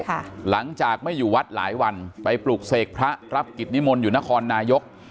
หลังจากไม่อยู่วัดหลายวันไปปลุกเสกพระรับกิจนิมนต์อยู่นครนายก